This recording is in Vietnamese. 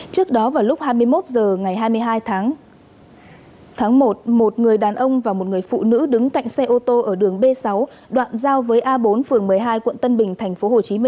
trước đó vào lúc hai mươi một h ngày hai mươi hai tháng một một người đàn ông và một người phụ nữ đứng cạnh xe ô tô ở đường b sáu đoạn giao với a bốn phường một mươi hai quận tân bình tp hcm